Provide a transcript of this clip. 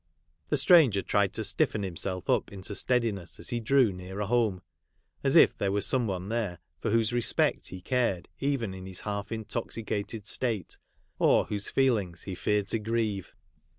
The stranger tried to stiffen himself up into steadiness as he drew nearer home, as if there were some one there, for whose respect he cared even in his half intoxicated state, or whose feelings he feared to grieve.